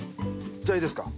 じゃあいいですか？